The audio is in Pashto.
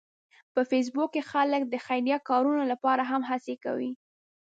په فېسبوک کې خلک د خیریه کارونو لپاره هم هڅې کوي